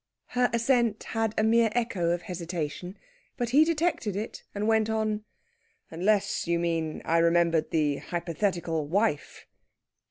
Her assent had a mere echo of hesitation. But he detected it, and went on: "Unless, you mean, I remembered the hypothetical wife?..."